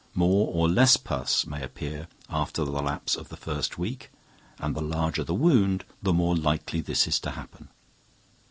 More or less pus may appear after the lapse of the first week, and the larger the wound, the more likely this is to happen.